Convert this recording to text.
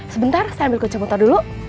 sebentar saya ambil kucamotor dulu